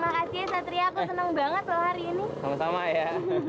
makasih satria aku senang banget selama hari ini sama sama ya